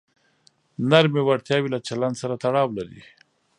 نرمې وړتیاوې له چلند سره تړاو لري.